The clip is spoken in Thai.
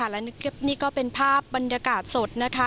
และนี่ก็เป็นภาพบรรยากาศสดนะคะ